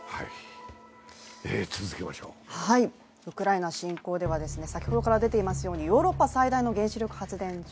ウクライナ侵攻では先ほどから出ていますようにヨーロッパ最大の原子力発電所